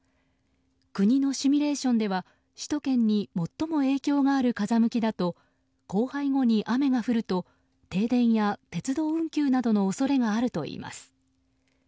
国のシミュレーションでは首都圏に最も影響がある風向きだと降灰後に雨が降ると停電や鉄道運休などの恐れがあるといいます。